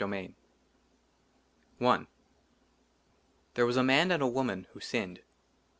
66 \ LXI I THERE WAS A MAN AND A WOMAN WHO SINNED.